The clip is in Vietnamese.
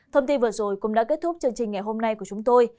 thông tin vừa rồi cũng đã kết thúc chương trình ngày hôm nay của chúng tôi